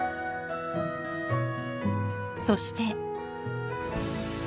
そして。